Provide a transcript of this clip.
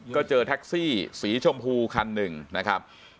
ก็เจอแท็กซี่สีชมพูคันหนึ่งนะครับ